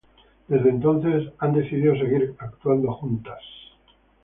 Desde entonces ellas han decidido seguir actuando juntas.